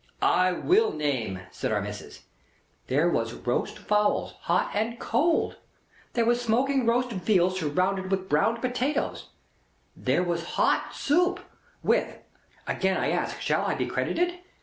"I will name," said Our Missis. "There was roast fowls, hot and cold; there was smoking roast veal surrounded with browned potatoes; there was hot soup with (again I ask shall I be credited?)